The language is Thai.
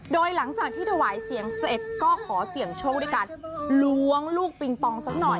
โดยหลังจากที่ถวายเสียงเสร็จก็ขอเสี่ยงโชคด้วยการล้วงลูกปิงปองสักหน่อย